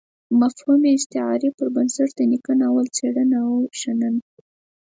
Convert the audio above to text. مفهومي استعارې پر بنسټ د نيکه ناول څېړنه او شننه.